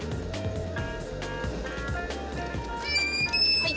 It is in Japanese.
はい。